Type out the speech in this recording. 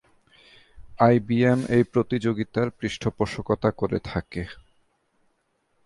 IBM এই প্রতিযোগিতার পৃষ্ঠপোষকতা করে থাকে।